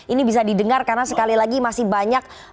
ini bisa didengar karena sekali lagi masih banyak